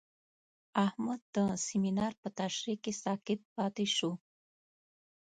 احمد د سمینار په تشریح کې ساکت پاتې شو.